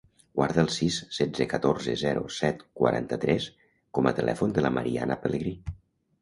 Guarda el sis, setze, catorze, zero, set, quaranta-tres com a telèfon de la Mariana Pelegri.